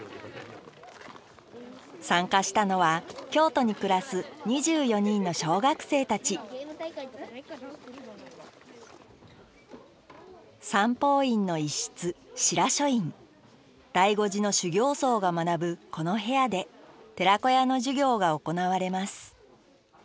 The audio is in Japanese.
参加したのは京都に暮らす２４人の小学生たち醍醐寺の修行僧が学ぶこの部屋で寺子屋の授業が行われます